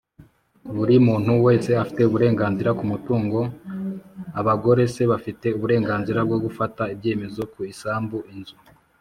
buri muntu wese afite uburenganzira ku mutungo abagore se bafite uburenganzira bwo gufata ibyemezo ku isambu, inzu,